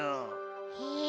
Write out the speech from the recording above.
へえ。